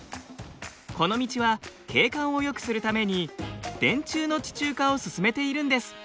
この道は景観をよくするために電柱の地中化を進めているんです。